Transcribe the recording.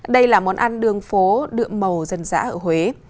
đây là món ăn đường phố đượm màu dân dã ở huế